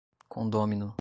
condômino